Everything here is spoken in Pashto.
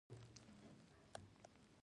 ایا ستاسو دلیل قوي نه دی؟